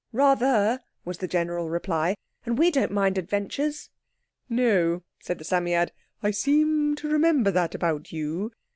"Rather," was the general reply. "And we don't mind adventures." "No," said the Psammead, "I seem to remember that about you.